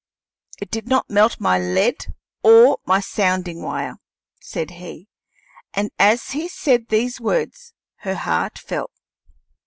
"It did not melt my lead or my sounding wire," said he. And as he said these words her heart fell.